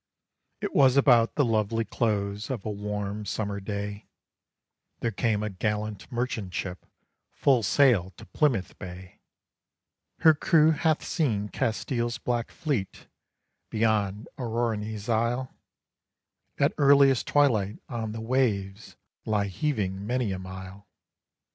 It was about the lovely close of a warm summer day, There came a gallant merchant ship full sail to Plymouth Bay; Her crew hath seen Castile's black fleet, beyond Aurigny's isle, At earliest twilight, on the waves lie heaving many a mile.